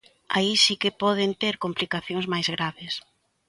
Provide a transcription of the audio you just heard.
Aí si que poden ter complicacións máis graves.